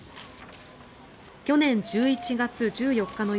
去年１１月１４日の夜